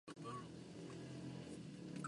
Reside en Notting Hill, Londres.